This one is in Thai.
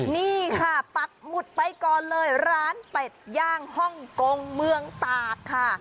นี่ค่ะปักหมุดไปก่อนเลยร้านเป็ดย่างฮ่องกงเมืองตากค่ะ